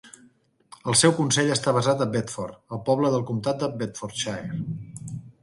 El seu consell està basat a Bedford, el poble del comptat de Bedfordshire.